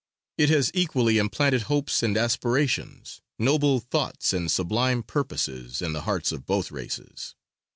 It has equally implanted hopes and aspirations, noble thoughts, and sublime purposes, in the hearts of both races.